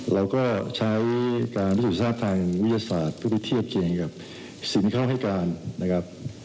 เราก็ใช้การวิจุศาสตร์ทางวิทยาศาสตร์เพื่อเทียบเกียงกับสินเขาให้การนะครับ